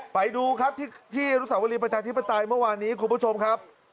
ไปดูครับที่อนุสาวรีประชาธิปไตยเมื่อวานนี้คุณผู้ชมครับ